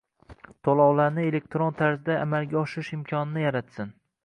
To‘lovlarni elektron tarzda amalga oshirish imkonini yaratsin.